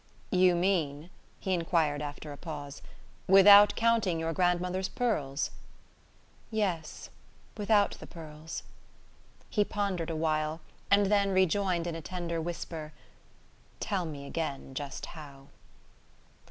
"You mean," he enquired after a pause, "without counting your grandmother's pearls?" "Yes without the pearls." He pondered a while, and then rejoined in a tender whisper: "Tell me again just how."